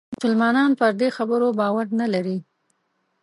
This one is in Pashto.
مسلمانان پر دې خبرو باور نه لري.